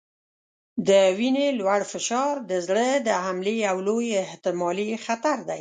د وینې لوړ فشار د زړه د حملې یو لوی احتمالي خطر دی.